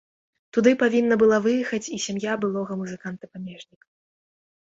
Туды павінна была выехаць і сям'я былога музыканта-памежніка.